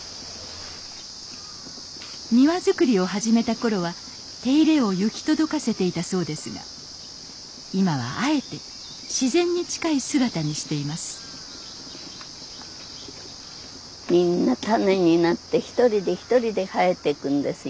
庭造りを始めた頃は手入れを行き届かせていたそうですが今はあえて自然に近い姿にしていますだんだんと。